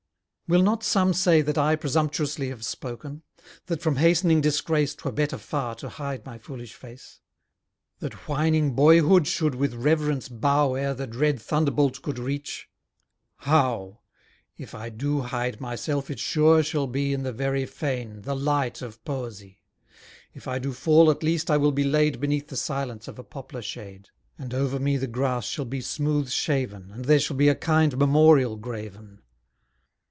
Will not some say that I presumptuously Have spoken? that from hastening disgrace 'Twere better far to hide my foolish face? That whining boyhood should with reverence bow Ere the dread thunderbolt could reach? How! If I do hide myself, it sure shall be In the very fane, the light of Poesy: If I do fall, at least I will be laid Beneath the silence of a poplar shade; And over me the grass shall be smooth shaven; And there shall be a kind memorial graven.